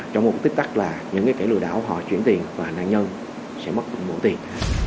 trong một tích tắc là những cái kẻ lừa đảo họ chuyển tiền và nạn nhân sẽ mất một bộ tiền